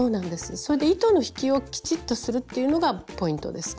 それで糸の引きをきちっとするっていうのがポイントです